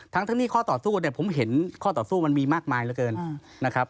แต่ผมเห็นข้อต่อสู้มันมีมากมายเหลือเกินนะครับ